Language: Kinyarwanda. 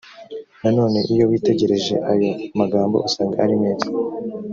nanone iyo witegereje ayo magambo usanga ari meza